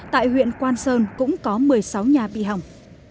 tại huyện quan sơn cũng có một mươi sáu nhà bị hỏng